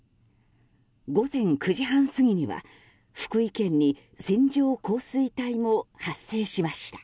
午前９時半過ぎには、福井県に線状降水帯も発生しました。